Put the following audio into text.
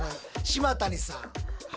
島谷さん。